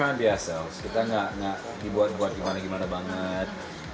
we try to be ourselves kita gak dibuat gimana gimana banget